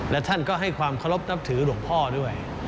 และท่านก็ให้ความเคารพนับถือหลวงพ่อด้วย